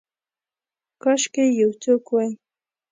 کاشکي یو څوک وی